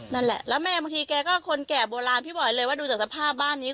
นั่นแหละแล้วแม่บางทีแกก็คนแก่โบราณพี่บอกเลยว่าดูจากสภาพบ้านนี้